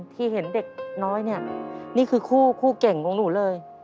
ที่เห็นเด็กน้อยเนี่ยนี่คือคู่คู่เก่งของหนูเลย